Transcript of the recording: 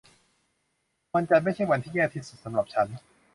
วันจันทร์ไม่ใช่วันที่แย่ที่สุดสำหรับฉัน